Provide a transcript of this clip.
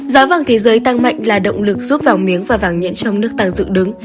giá vàng thế giới tăng mạnh là động lực giúp vàng miếng và vàng nhẫn trong nước tăng dự đứng